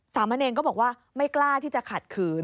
สามเณรก็บอกว่าไม่กล้าที่จะขัดขืน